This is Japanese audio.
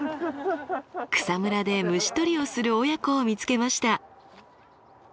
草むらで虫とりをする親子を見つけました。